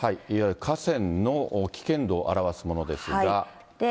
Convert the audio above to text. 河川の危険度を表すものですが。